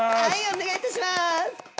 お願いいたします。